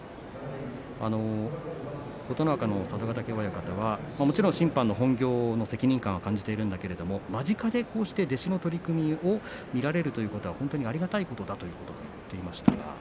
琴ノ若の佐渡ヶ嶽親方はもちろん審判の本業の責任感も感じているんだけれども間近で弟子の取組を見られるということも本当にありがたいことだと言っていました。